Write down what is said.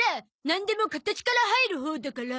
なんでも形から入るほうだから。